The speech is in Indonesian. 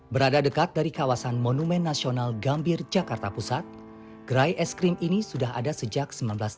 berada dekat dari kawasan monumen nasional gambir jakarta pusat gerai es krim ini sudah ada sejak seribu sembilan ratus tujuh puluh